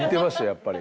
やっぱり。